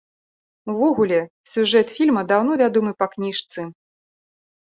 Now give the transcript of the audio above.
Увогуле, сюжэт фільма даўно вядомы па кніжцы.